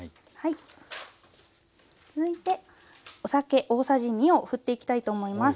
続いてお酒大さじ２をふっていきたいと思います。